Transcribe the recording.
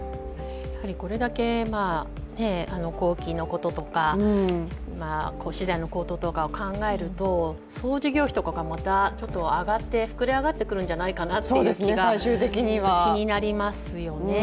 やはりこれだけ工期のこととか資材の高騰とかを考えると、総事業費とかがまた上がって膨れ上がってくるんじゃないかというところが気になりますよね。